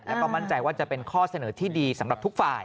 และมั่นใจเป็นข้อเสนอที่ดีสำหรับทุกฝ่าย